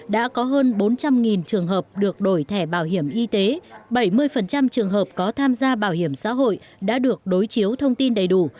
trong trường hợp được đổi thẻ bảo hiểm y tế bảy mươi trường hợp có tham gia bảo hiểm xã hội đã được đối chiếu thông tin đầy đủ